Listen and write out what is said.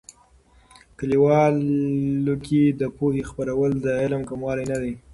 کلیوالو کې د پوهې خپرول، د علم کموالی نه دي.